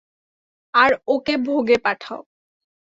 আর ওকে ভোগে পাঠাও।